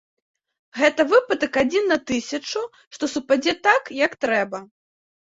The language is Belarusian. Гэта выпадак адзін на тысячу, што супадзе так, як трэба.